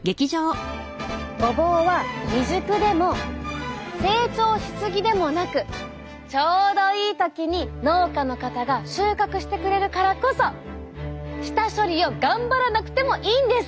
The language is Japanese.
ごぼうは未熟でも成長し過ぎでもなくちょうどいい時に農家の方が収穫してくれるからこそ下処理を頑張らなくてもいいんです。